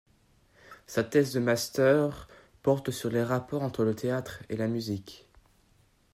Sa thèse de master porte sur les rapports entre le théâtre et la musique.